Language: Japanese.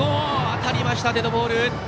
当たりました、デッドボール。